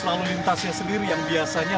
lalu lintasnya sendiri yang biasanya